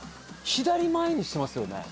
左前にしてますよね。